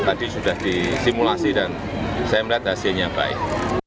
tadi sudah disimulasi dan saya melihat hasilnya baik